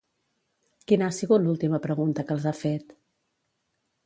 Quina ha sigut l'última pregunta que els ha fet?